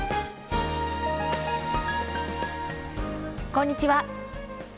こんにちは。